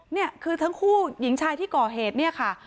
นี่คือทั้งคู่หญิงชายที่ก่อเหตุเนี่ยค่ะ